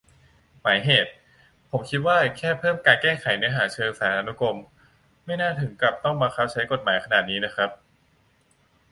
หมายเหตุ : ผมคิดว่าแค่เพิ่มแก้ไขเนื้อหาเชิงสารานุกรม ไม่น่าถึงกับต้องบังคับใช้กฎหมายขนาดนี้นะครับ